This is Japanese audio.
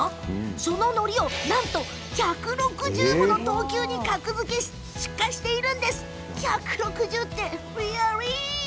そののりを、なんと１６０もの等級に格付けして出荷するんです。